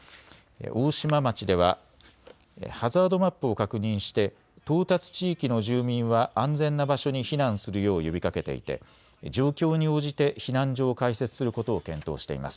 大島町ではハザードマップを確認して到達地域の住民は安全な場所に避難するよう呼びかけていて状況に応じて避難所を開設することを検討しています。